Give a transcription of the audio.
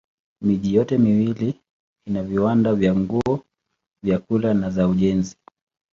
Miji yote miwili ina viwanda vya nguo, vyakula na za ujenzi.